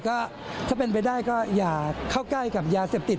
ก็ถ้าเป็นไปได้ก็อย่าเข้าใกล้กับยาเสพติด